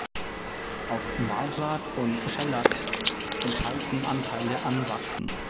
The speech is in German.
Auch Walrat und Schellack enthalten Anteile an Wachsen.